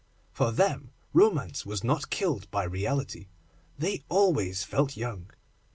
For them romance was not killed by reality. They always felt young.